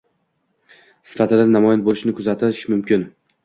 sifatida namoyon bo‘lishini kuzatish mumkin.